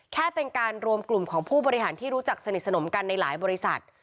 แค่เป็นการรวมกลุ่มของผู้บริหารที่รู้จักสนิทสนมกันในหลายบริษัท